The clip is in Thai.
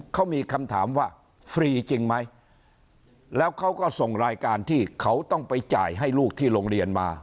เขามีคำถามว่าฟรีจริงไหมแล้วเขาก็ส่งรายการที่เขาต้องไปจ่ายให้ลูกที่โรงเรียนมา